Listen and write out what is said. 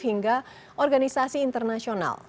hingga organisasi internasional